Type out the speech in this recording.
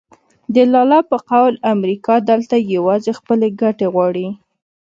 د لالا په قول امریکا دلته یوازې خپلې ګټې غواړي.